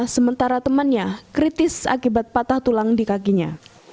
sementara temannya kritis akibat patah tulang di kakinya